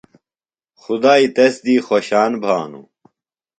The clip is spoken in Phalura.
خُدائی تس دی خوشان بھانوۡ۔